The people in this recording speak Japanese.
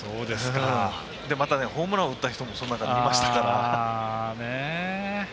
また、ホームランを打った人もその中にいましたから。